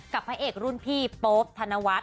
พระเอกรุ่นพี่โป๊ปธนวัฒน